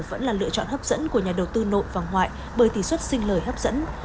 vẫn là lựa chọn hấp dẫn của nhà đầu tư nội và ngoại bởi tỷ suất sinh lời hấp dẫn